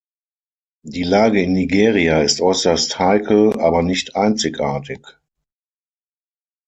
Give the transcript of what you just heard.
Die Lage in Nigeria ist äußerst heikel, aber nicht einzigartig.